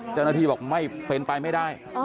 เจ้าหน้าที่บอกไม่เป็นไปไม่ได้